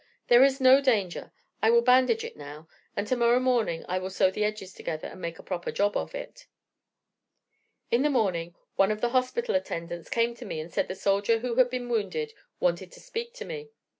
There is no danger. I will bandage it now, and tomorrow morning I will sew the edges together, and make a proper job of it.' "In the morning one of the hospital attendants came to me and said the soldier who had been wounded wanted to speak to me.